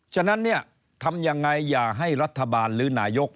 ฉะนั้นเนี่ยทำยังไงอย่าให้รัฐบาลหรือนายก